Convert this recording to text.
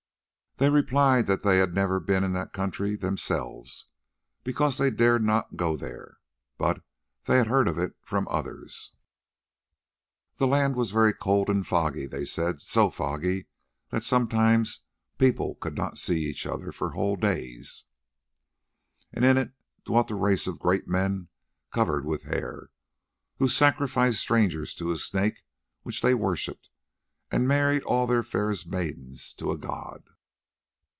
They replied that they had never been in that country themselves, because they dared not go there, but they had heard of it from others. The land was very cold and foggy, they said, so foggy that sometimes people could not see each other for whole days, and in it dwelt a race of great men covered with hair, who sacrificed strangers to a snake which they worshipped, and married all their fairest maidens to a god.